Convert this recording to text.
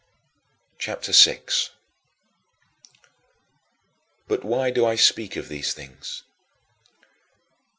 CHAPTER VI 11. But why do I speak of these things?